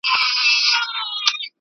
په لږ وخت کي به د ښار سرمایه دار سم `